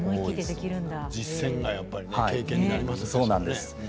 実践がやっぱり経験になりますよね。